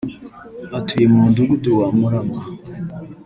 atuye mu mudugudu wa Murama